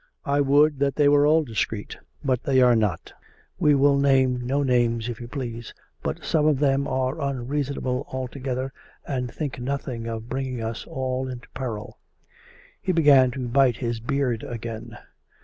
I would that they were all discreet, but they are not. We will name no names, if you please; but some of them are unreasonable altogether and think nothing of bringing us all into peril." 32 COME RACK! COME ROPE! He began to bite his beard again.